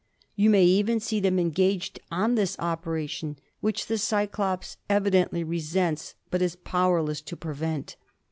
You may even see them engaged on this operation, which the cyclops evi dently resents but is powerless to prevent.